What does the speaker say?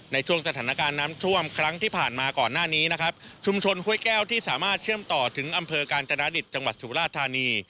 ในช่วงสถานการณ์น้ำท่วมครั้งที่ผ่านมาก่อนหน้านี้นะครับชุมชนห้วยแก้วที่สามารถเชื่อมต่อถึงอำเภอกาญจนาดิตจังหวัดสุราชธานี